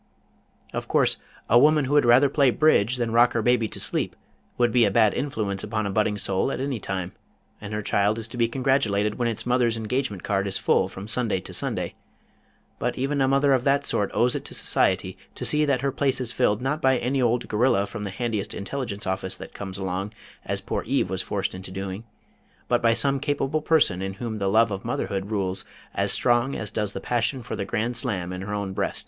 Of course, a woman who would rather play Bridge than rock her baby to sleep would be a bad influence upon a budding soul at any time, and her child is to be congratulated when its mother's engagement card is full from Sunday to Sunday, but even a mother of that sort owes it to society to see that her place is filled not by any old gorilla from the handiest intelligence office that comes along as poor Eve was forced into doing, but by some capable person in whom the love of motherhood rules as strong as does the passion for the grand slam in her own breast.